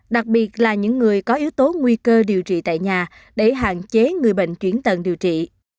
đặc biệt là những người có yếu tố nguy cơ điều trị tại nhà để hạn chế người bệnh chuyển tận điều trị